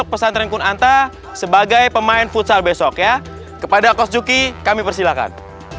pondok pesantren kunanta sebagai pemain futsal besok ya kepada coach juki kami persilahkan